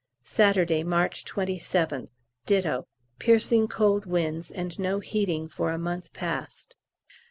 Saturday, March 27th. Ditto. Piercing cold winds and no heating for a month past.